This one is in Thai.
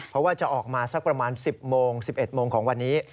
เพราะว่าจะออกมาสักประมาณ๑๐โมง๑๑โมงของวันนี้